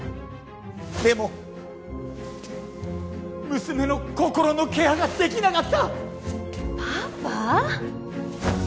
でも娘の心のケアができなかったパパ？